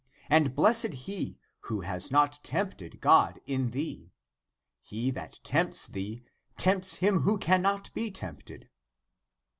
And blessed he who has not tempted God in thee ! He that tempts thee, tempts him who cannot be tempted."